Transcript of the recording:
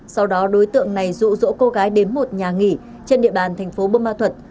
sau đó đối tượng này rụ rỗ cô gái đến một nhà nghỉ trên địa bàn tp bumal thuật